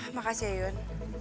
makasih ya yun